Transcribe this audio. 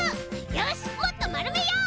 よしもっとまるめよう！